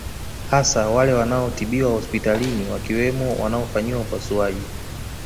Hasa wale wanaotibiwa hospitalini wakiwemo wanaofanyiwa upasuaji